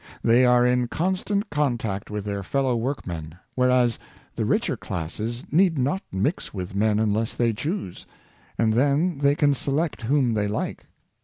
They are in constant contact with their fellow workmen, whereas the richer classes need not mix with men unless they choose, and then they can select whom they like.